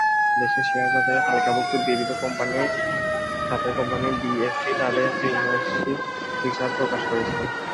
দেশের শেয়ারবাজারে তালিকাভুক্ত বিবিধ খাতের কোম্পানি বিএসসি তাদের ত্রৈমাসিক হিসাব প্রকাশ করেছে।